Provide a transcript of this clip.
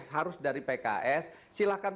harus dari pks silahkan